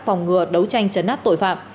phòng ngừa đấu tranh chấn nắp tội phạm